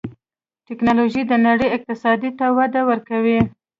ټکنالوجي د نړۍ اقتصاد ته وده ورکوي.